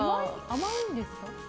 甘いんですか？